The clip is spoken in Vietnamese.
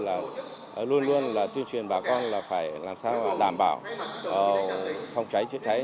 là luôn luôn là tuyên truyền bà con là phải làm sao đảm bảo phòng cháy chữa cháy